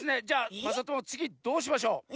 じゃあまさともつぎどうしましょう？